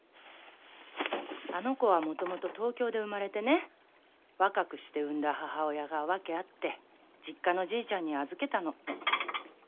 あの子は元々東京で生まれてね若くして産んだ母親が訳あって実家のじいちゃんに預けたの。